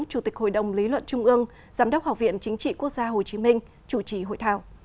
chủ tịch hội đồng lý luận trung ương giám đốc học viện chính trị quốc gia hồ chí minh chủ trì hội thảo